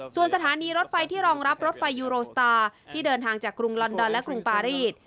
ส่วนสถานีรถไฟที่รองรับรถไฟยูโรสตาร์ที่เดินทางจากกรุงลอนดอนและกรุงปารีส